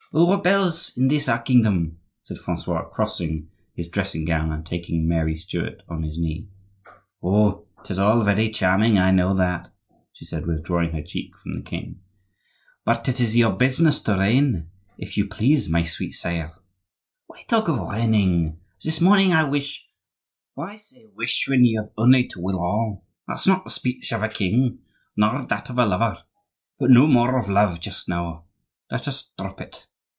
"Who rebels in this our kingdom?" said Francois, crossing his dressing gown and taking Mary Stuart on his knee. "Oh! 'tis all very charming, I know that," she said, withdrawing her cheek from the king; "but it is your business to reign, if you please, my sweet sire." "Why talk of reigning? This morning I wish—" "Why say wish when you have only to will all? That's not the speech of a king, nor that of a lover.—But no more of love just now; let us drop it!